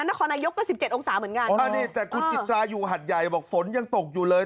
นครนายกก็สิบเจ็ดองศาเหมือนกันอ่านี่แต่คุณจิตราอยู่หัดใหญ่บอกฝนยังตกอยู่เลย